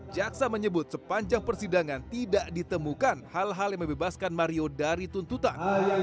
jaksa menyebut sepanjang persidangan tidak ditemukan hal hal yang membebaskan mario dari tuntutan